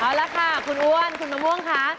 เอาละค่ะคุณอ้วนคุณมะม่วงค่ะ